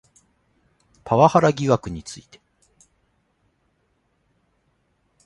パワハラ疑惑について